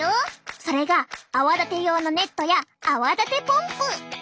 それが泡立て用のネットや泡立てポンプ。